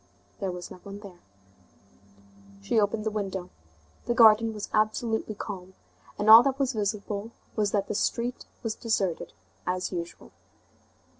There was no one there. She opened the window. The garden was absolutely calm, and all that was visible was that the street was deserted as usual.